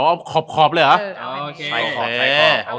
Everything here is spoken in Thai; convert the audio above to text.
เอาขอบเลยเหรอ